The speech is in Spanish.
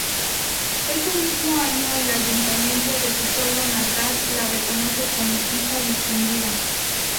Ese mismo año el Ayuntamiento de su pueblo natal la reconoce como "Hija Distinguida".